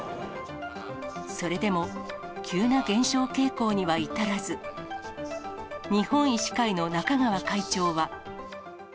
それでも、急な減少傾向には至らず、日本医師会の中川会長は。